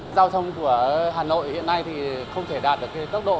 giao thông của hà nội hiện nay thì không thể đạt được tốc độ